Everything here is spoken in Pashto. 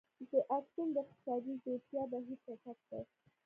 د اکسوم د اقتصادي ځوړتیا بهیر چټک کړ.